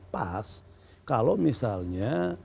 pas kalau misalnya